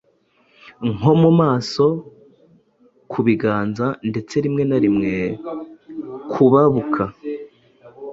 nko mu maso, ku biganza ndetse rimwe na rimwe kubabuka